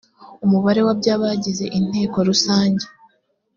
umubare wa by abagize inteko rusange